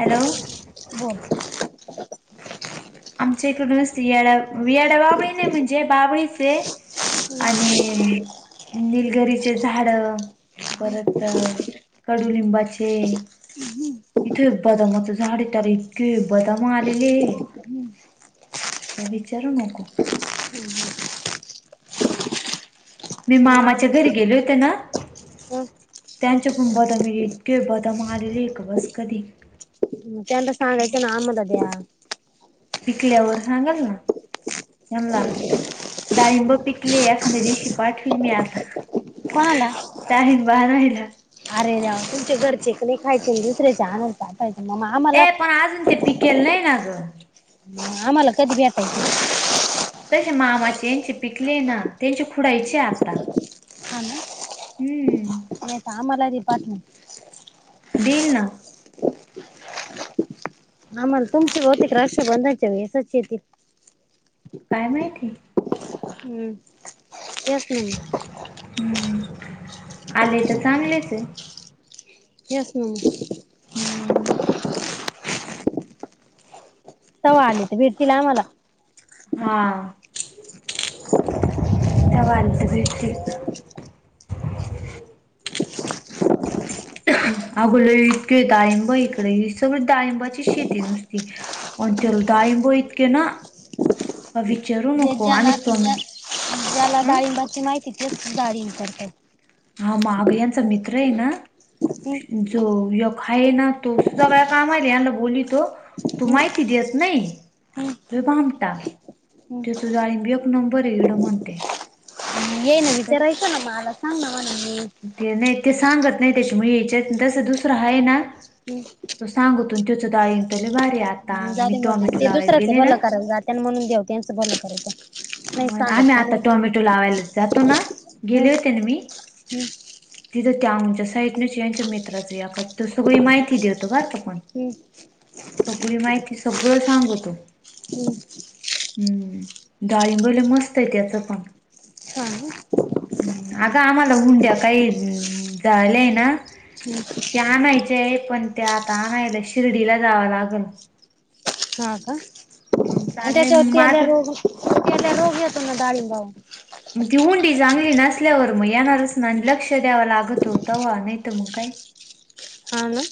Hello बोल आमच्या इकडे स्त्रियांना वियाड बावळीने म्हणजे बाबळीचे आणि निलगरीचे झाड परत कडुलिंबाचे ह हम्म इथे बदामच झाडे तेला इतके बदाम आलेले [inaudible] विचारू नको मी मामाच्या घरी गेले होते ना. त्यांच्या पण बदम हे इतके बदाम आलेले एक बस करी. त्यांना सांगायच ना आम्हाला द्या. पिकल्यावर सांगल ना. हमला. डाळिंब पिकली एखाद्या दिवशी पाठवन मी आता. कोणाला? डाळिंब आणायला. अरे देवा तुमच्या घरचे कमी खायचे दुसऱ्याच्या आनुन म [unintelligible] ए पण अजून ते पिकेल नाही ना गं. आम्हाला कधी भेटायचं? त्याच्या मामाची यांचे पिकले ना त्यांचे खुडायचे आता. हा ना हम्म. [unintelligible] आम्हाला दे पाठवुन. दिल ना. आमल तुमस होतिक राक्ष बंदायच्यासचेती. काय माहिती. हम्म त्यासनी. हम् आले तर चांगलेचये. यास नं हम्म. साऊ आले तर भेटतील आमाला. हा. साऊ आले तर भेटतील. आंग लई इतके डाळिंब इकडे सगळी डाळिंबाची शेती नुसती. आण तेला डाळिंब इतके ना का विचारू जे नको ज्याला आणिता ज्या मी. ज्याला डाळिंबाची माहिती तेच डाळींब करतयं. हा माग याचा मित्र हे ना हम्म, जो य खाय ना तो सगळया कामानी अनभुनी तो, तो हम्म, माहिती देत नाही. हम्म, लई भामटा हम्म. तेच डाळिंब एक नंबरे एवढं मोठंयं. हेन विचारायचना मला सांग नावा नम - - ते नाही ते सांगत नाही त्याच्यामुळे याच्यात तसं दुसरं हायेना. हम्. त सांगतो तेच डाळिंब तर लई भारी हाय आता मी टोमॅटो लावायला गेले ना. त्यां म्हणून द्याऊ त्यांचं बघुन करायचं. आम्ही आता टोमॅटो लावायला जातो ना हम्म गेले होते ना मी. हम्म तिथं त्या आमच्या साईटन यांच्या मित्राचे या तो सगळी माहिती देततो बर त पण. हम्. सगळी माहिती सगळं सांगतो. हम्म हम्म. डळिंबले मस्त हाय त्याचं पण. हा ना. ह् आग आम्हाला हुंड्या काही झाल्याय ना. हम्म ते आणायच्याय पण त्या आता आणयला शिर्डीला जावं लागल. हा का मग आणि चाललंय त्याच्यावरती माझ रोग रोग यतोना डाळींबावर - - ती हुंडी चांगली नसल्यावर मग येणारच ना लक्ष द्यावं लागत होतं वा नाही तर मग काय. हा ना.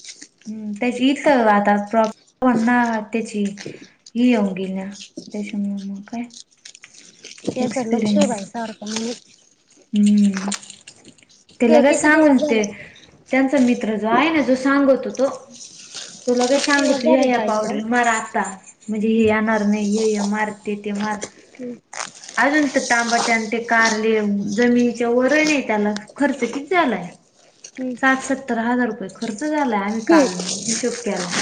हम् त्याची इथ आता प्रॉब् [unintelligible] म्हण ना त्याची. ही योगिना त्याच्यामु म काय. त्याचं लक्ष एक्सपिरियन्स हाय सारख [unintelligible] हम्म. ते लगच किती दिवस सांगून ते. झाले त्यांचा मित्र जो आहे ना जो सांगत हो तो. तुला काही किती दिवस सांगत झाले या डाळिंब पावडर लावून मार आता, म्हणजे हे हम्म येणार नाही. हे मारते, ते मार. हम्म. अजून तर तांबाट्या ते कारले जमिनीच्या वर नाही त्याला खर्च किती आलाय. हम्म. सत्तर हजार रुपये खर्च झालाय आम्ही हम्म काल हिशोब केला.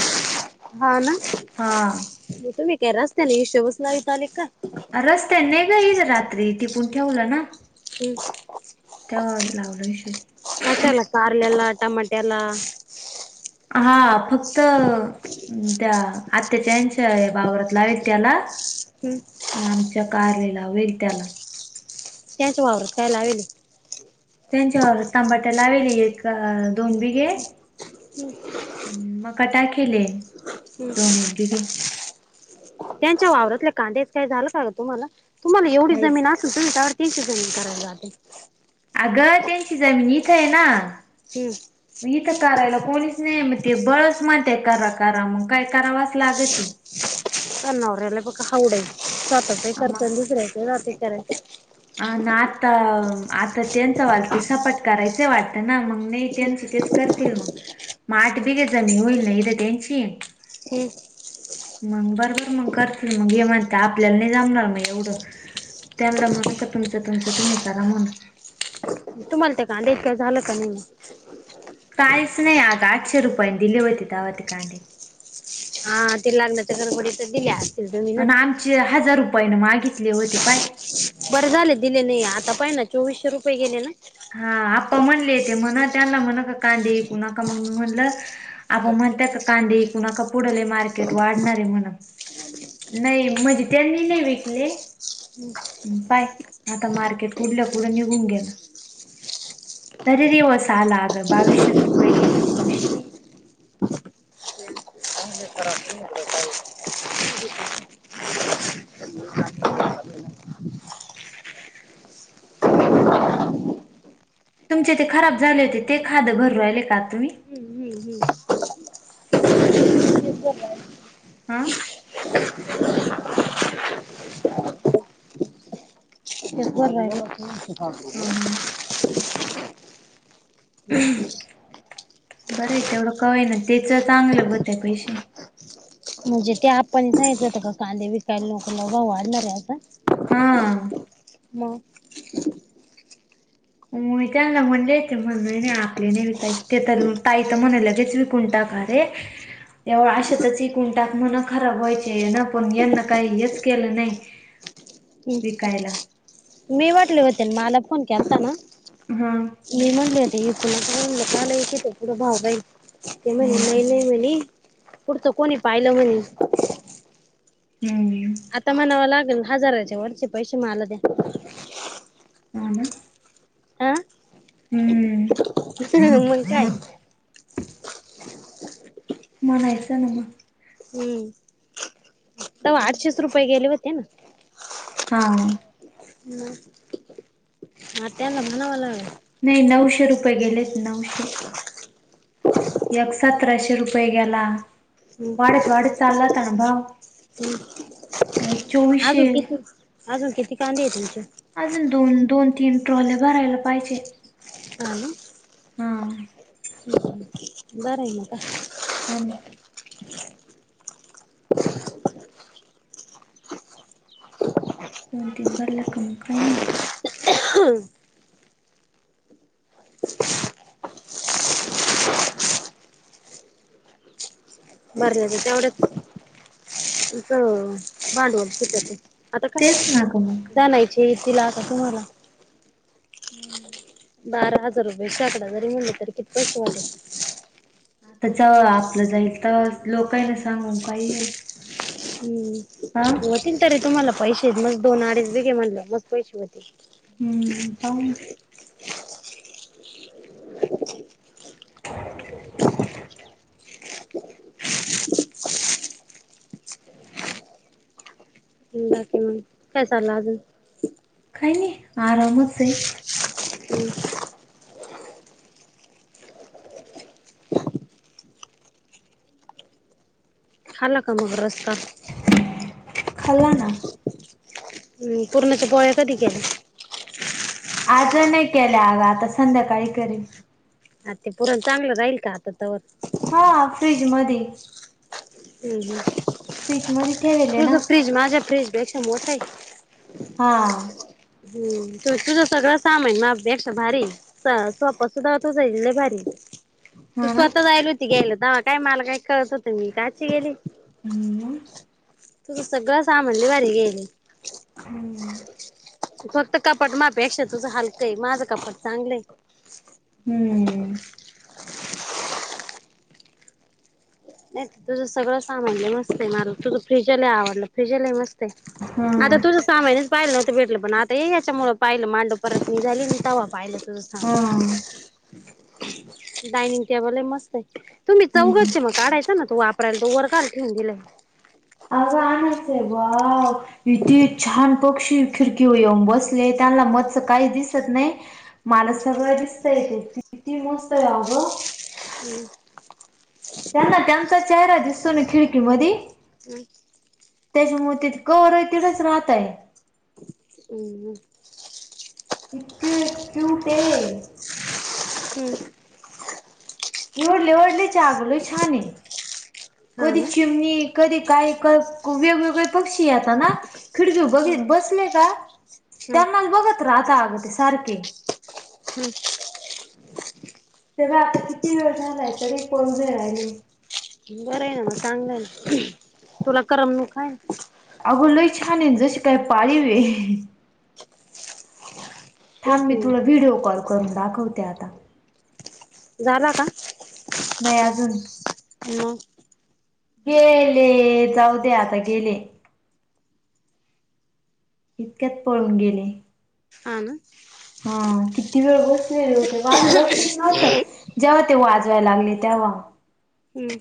हा ना, हा तुम्ही के रस्त्याने हिशोबस नाही [unintelligible] का रस्त्यान घईल रात्री टिपून ठेवलं ना. हम्. त लावल श. कशाला खारलेला, टमाटेला. हा फक्त त्या आत्याच्या यांच्या [unintelligible] त्याला. हम्म. आमच्या कारले ला वय त्याला. क्याच वावर [unintelligible] त्यांच्यावर तबाट्या लावेले एक दोन बिघे. आणि मग का टाकेेले, हम्म दोन एक दि त्यांच्या वावरातल्या कांद्याच काय झालं का तुम्हाला, तुम्हाला एवढी काहीच जमीन अस [unintelligible] करायला [unintelligible] अगं त्यांची जमीन इथं आहे ना. हम्म. इथं करायला कोणीच नाही म ते बळच म्हणते करा करा मग काय करावच लाग ती. नावरऱ्याला बघ हावडय स्वतःचा एक आमा करतय दुसऱ्याच जातय कराय. अ ना आता, आता त्यांच वाल ते सपाट करायच वाटतं ना मग नाही हम्म त्यांच तेच कर तील मग, माठ बी घे [unintelligible] लई [unintelligible] त्यांची. हम्म मग बरबर मग कर मग हे म्हणत आपल्याला नाही जमणार मग एवढं. त्यांना म्हणा का तुमचं तुमचं तुम्ही करा म्हण. तुम्हाला ते कांदा [unintelligible] झालं का नाही. कायस नाही आता आठशे रुपय दिली होती तवा ते कादे. हा ते लागणाच्या गडबडीत दिल्या. असतील तुम्ही ना. अन आमचे हजार रुपये ना मागितले होते पाय. बरं झाले दिले नाही आता पाहि ना चोवीसशे रुपये गेले ना. हा आप्पा म्हणले ते म्हणा त्यांना म्हणा का कांदे विकु नका मग म्हणलं. आबा म्हणत्यात कांदे ईकू नका पुधे लई मार्केट वाढणार आहे म्हण. नाही म्हणजे त्यांनी नाही विकले. [unintelligible] पाय आता मार्केट कुठलं पुुढे निघून गेलं. तरी दिवस आला अगं बावीसशेच रुपये गेल त्या दिवशी. [unintelligible] तुमचे ते खराब झाले होते ते खादं भरवाले का तुम्ही? हम्म हम्म हम्म. हा. हं हं [unintelligible] बरं आहे तेवढं कव आहे ना त्याच चांगलं बत पैसे. म्हणजे ते आपण सांयचं होत का कांदे विकायला लोक लघाव वाढणार आहे आता. हा. म. म त्यांना म्हणले [unintelligible] नाही आपले नाही विकय ते तर ताई तर म्हणाले लगेच विकून टाका. हे एव अशातच ईकून टाक म्हण खराब व्हायचे ना पण यांना काही हेच केलं नाही. ह हम् मी वाटले होते मला फोन केलताना. हा मी म्हणलेलाची पुढं भाव बाई ते म्ह हम्म महिले म्ह पुढतं कोणी पाहिलं म्हणे हम्. आता म्हणावा लागेल हजाराचे वरचे पैसे मला द्या. ह ना हा मग काय हम्म म्हणायचं ना मग. हम्म तवा आठशेच रुपये गेले होते ना. हा. ह हा त्यांना म्हणावाला. नाही नऊशे रुपये गेलेत नऊशे. एक सतराशे रुपये गेला वाढत वाढत चाललाता ना भाऊ. हम अजून किती अजून किती कांदे आहे तुमचे अजून दोन दोन तीन ट्रॉले भरायला पाहिजे हा हा बारा म का हम दोन तीन बार ल कं कायनी हा भरल्या तर तेवढच भांडवल सुिक ते आता का तेच ना ग मग जानायचे तिला आता तुम्हाला हम्म बारा हजार रुपयाे शेकडा जरी मिणला तरी कितपस वा तर च आपलं जाईल तर लोकही ना सांगून काही आहे हम्म हा होतील तरी तुम्हाला पैसे म दोन अडीच बघे म्हणलं मस् पैसे होतील हम्म पा [inaudible] बाकी मग काय चाला अजून खायनी आरामचे ह खाला का मग रस्ता खल ना पूर्णाचा पोळ्या कधी केला आज नाही केल्या अगा आता संध्याकाळी करेन आ ते पुरण चांगलं राहील का आता तवर हा फ्रीज मध्ये हम् फ्रीज मध्ये ठेवेले ना तुझ फ्रीज माझ्या फ्रीज पेक्षा मोठा आहे हा हम् तुझं सगळं सामान माझ्यापेक्षा भारी सोपा सुधा तुझा लई भारी तू हा ना स्वतः जायला होती गेयला तवा काय मला काय कळत होत मी काची गेली हम् तूझ सगळं सामनली भारी गेईली हम्म फक्त कपाट माफे अक्ष तुझं हलकं आहे माझं कपाट चांगलंय हम्म नाही तुझं सगळं सामान मस्त आहे मला तुझं फ्रिजला आवडलं फ्र्रीजल मस्त हा आता तुझ सामाननेच पाहिलं नवतं भेटलं पण आता याच्यामुळेळ पाहिलं मांडो परत म झाली तव्हा पाहिलंच हा डायनिंग टेबल आहे मस्त आहे तुम्ही हम्म चौघचे मग काढायचा ना तू वापरायला तो वर काल ठेन दिला अ कामच आहे ब इती छान पक्षी खिडकी येऊन बसले त्यांना मत्स काही दिसत नाही मला सगळं दिसत येते किती मस्त आहे गं हम्म त्यांना त्यांचा चेहरा दिसतो ना खिडकी म हम् [unintelligible] त्याच्यामुळे तिथे कर आहे तिथंच राहतय हम इिकटुते [unintelligible] हम्म एवढले वडले अगल छानान हा कधी ना चिमनी कधी काही वेगवेगळे पक्षी य ना खिडकी बघितत बसले का त्यांनाच बघत राहता अगं ते सारखे हम्म तेव्हा आता किती वेळ झालाय तरी कोण घे राहिले बरं आहे ना मग चांगलं ना तुला करम न काय अगो लोय छान जसे काय पवे तेच छान मी ना थोडं व्हिडिओ कॉल करून दाखवते आता झाला का नइ अजून हण गेले जाऊ दे आता गेले इतक्यात पळून गेले हा ना हा किती वेळ बसलेले होते माझं लक्षच नव्हतं जेव्हा ते वाजवायला लागले तेव्हा हम्म